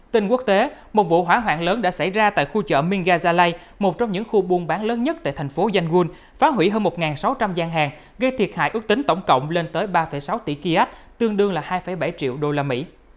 tình quốc tế một vụ hỏa hoạn lớn đã xảy ra tại khu chợ mingazalai một trong những khu buôn bán lớn nhất tại thành phố yangon phá hủy hơn một sáu trăm linh gian hàng gây thiệt hại ước tính tổng cộng lên tới ba sáu tỷ kia tương đương hai bảy triệu usd